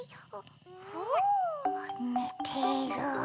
ねてる。